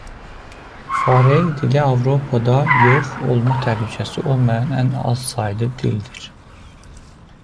Farer dili Avropada yox olma təhlükəsi olmayan ən azsaylı dildir.